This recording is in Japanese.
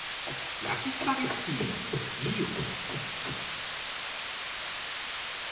焼きスパゲッティのいい音。